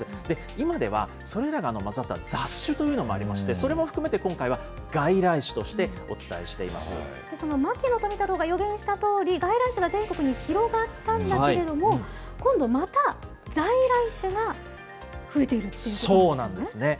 今では、それらがまざった雑種というのもありまして、それも含めて今回は外来種と牧野富太郎が予言したとおり、外来種が全国に広がったんだけれども、今度また在来種が増えていそうなんですね。